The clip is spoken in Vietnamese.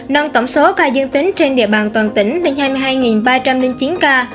nâng tổng số ca dương tính trên địa bàn toàn tỉnh lên hai mươi hai ba trăm linh chín ca